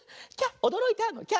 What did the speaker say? おどろいた」の「きゃ！」。